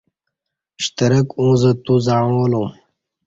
ا شترک اوزہ توزعݩالوم